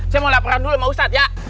saya mau laporan dulu sama ustadz ya